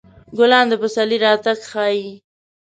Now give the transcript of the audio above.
ګلان د پسرلي راتګ ښيي.